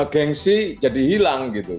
gengsi jadi hilang gitu